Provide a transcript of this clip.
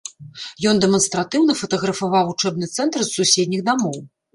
Ён дэманстратыўна фатаграфаваў вучэбны цэнтр з суседніх дамоў.